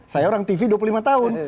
saya orang tv dua puluh lima tahun